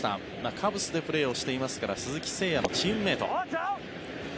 カブスでプレーしていますから鈴木誠也のチームメート。